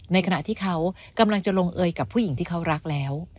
ขณะที่เขากำลังจะลงเอยกับผู้หญิงที่เขารักแล้ว